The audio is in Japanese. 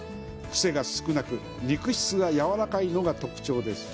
くせが少なく肉質がやわらかいのが特徴です。